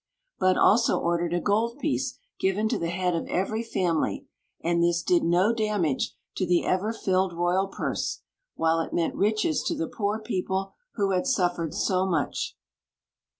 Bud also ordered a gold piece given to the head of every family ; and this did no damage to the ever Queen Zixi of Ix; or, the filled royal purse, while it meant riches to the poor people who had suffered so much.